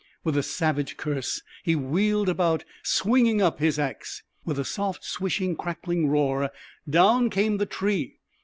With a savage curse, he wheeled about, swinging up his axe. With a soft, swishing, crackling roar, down came the tree.